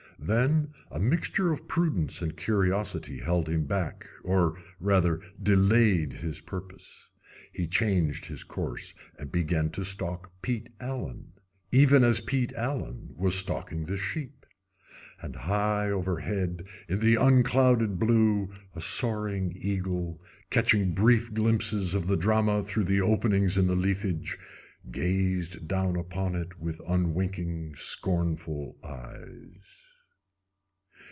Then a mixture of prudence and curiosity held him back, or, rather, delayed his purpose. He changed his course, and began to stalk Pete Allen even as Pete Allen was stalking the sheep. And high overhead, in the unclouded blue, a soaring eagle, catching brief glimpses of the drama through the openings in the leafage, gazed down upon it with unwinking, scornful eyes.